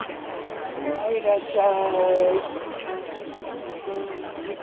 はいいらっしゃい。